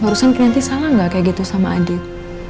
barusan kalian nanti salah nggak kayak gitu sama adit